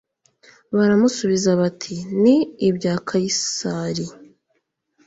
Baramusubiza bati: ni ibya Kayisari.